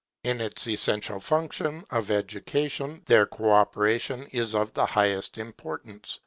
In its essential function of education, their co operation is of the highest importance.